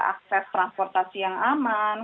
akses transportasi yang aman